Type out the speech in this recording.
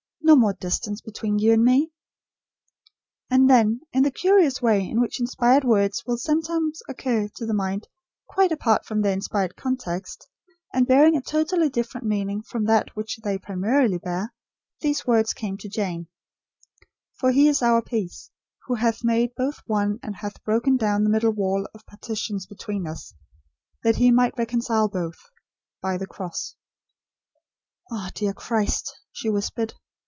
No more distance between you and me." And then, in the curious way in which inspired words will sometimes occur to the mind quite apart from their inspired context, and bearing a totally different meaning from that which they primarily bear, these words came to Jane: "For He is our peace, Who hath made both one, and hath broken down the middle wall of partition between us ... that He might reconcile both ... by the cross." "Ah, dear Christ!" she whispered.